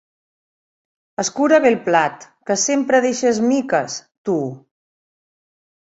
Escura bé el plat, que sempre deixes miques, tu.